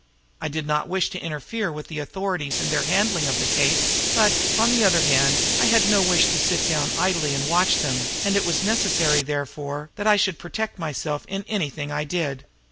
I did not wish to interfere with the authorities in their handling of the case; but, on the other hand, I had no wish to sit down idly and watch them, and it was necessary therefore that I should protect myself in anything I did.